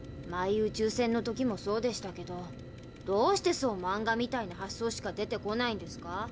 マイ宇宙船の時もそうでしたけどどうしてそうマンガみたいな発想しか出てこないんですか？